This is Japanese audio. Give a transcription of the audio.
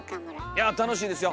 いや楽しいですよ！